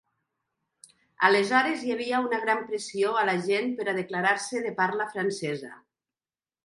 Aleshores hi havia una gran pressió a la gent per a declarar-se de parla francesa.